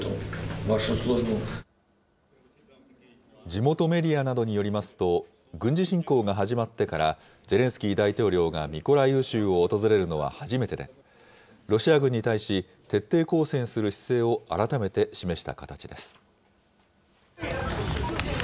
地元メディアなどによりますと、軍事侵攻が始まってから、ゼレンスキー大統領がミコライウ州を訪れるのは初めてで、ロシア軍に対し、徹底抗戦する姿勢を改めて示した形です。